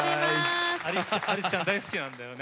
アリスちゃん大好きなんだよね。